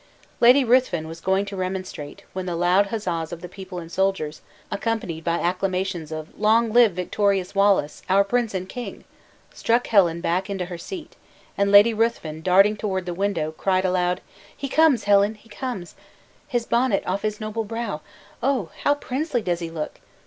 Lady Ruthven was going to remonstrate, when the loud huzzas of the people and soldiers, accompanied by acclamations of "Long live victorious Wallace, our prince and king!" struck Helen back into her seat, and Lady Ruthven darting toward the window, cried aloud, "He comes, Helen, he comes! His bonnet off his noble brow. Oh! how princely does he look!